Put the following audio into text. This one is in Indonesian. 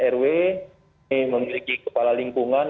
rw ini memiliki kepala lingkungan